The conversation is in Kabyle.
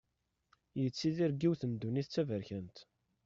Yettidir deg yiwet n ddunit d taberkant.